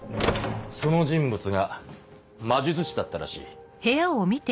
その人物が魔術師だったらしい。